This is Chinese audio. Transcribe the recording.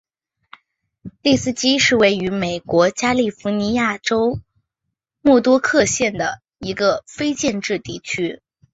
利斯基是位于美国加利福尼亚州莫多克县的一个非建制地区。